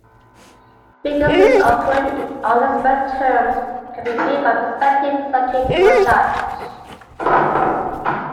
Vacancies occurring in unexpired terms can be filled by a respective Circuit Court judge.